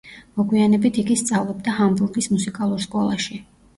მოგვიანებით იგი სწავლობდა ჰამბურგის მუსიკალურ სკოლაში.